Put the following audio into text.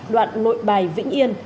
đoạn nội bài vĩnh yên